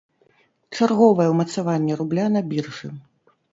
Чарговае ўмацаванне рубля на біржы.